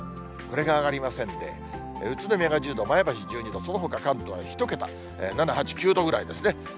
これが上がりませんで、宇都宮が１０度、前橋１２度、そのほか関東は１桁、７、８、９度ぐらいですね。